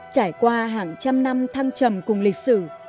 trải qua hàng trăm năm thăng trầm cùng lịch sử